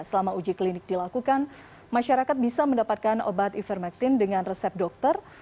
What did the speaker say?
selama uji klinik dilakukan masyarakat bisa mendapatkan obat ivermectin dengan resep dokter